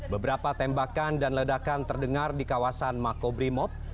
beberapa tembakan dan ledakan terdengar di kawasan mako brimob